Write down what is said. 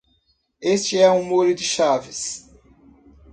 Este é um molho de chaves